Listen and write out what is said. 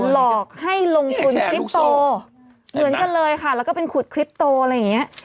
หลอกให้ลงทุนคลิปโตเหมือนกันเลยค่ะแล้วก็เป็นขุดคลิปโตอะไรอย่างนี้